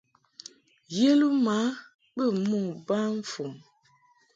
Yeluma bə mo ba fon.